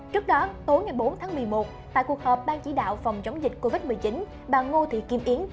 trước đó tối ngày bốn tháng một mươi một tại cuộc họp ban chỉ đạo phòng chống dịch covid một mươi chín bà ngô thị kim yến